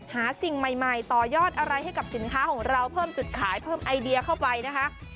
หาสิ่งใหม่ต่อยอดอะไรให้กับสินค้าของเราเพิ่มจุดขายเพิ่มไอเดียเข้าไปนะคะ